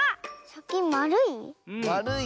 さきまるい？